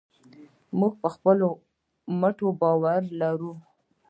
موږ په خپلو مټو باور لرو.